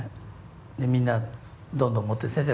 みんなどんどん持って先生